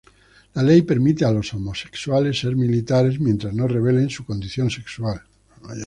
La ley permite a los homosexuales ser militares mientras no revelen su condición sexual.